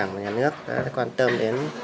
nhà nước đã quan tâm đến